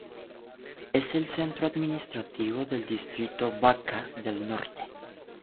Es el centro administrativo del distrito Bačka del Norte.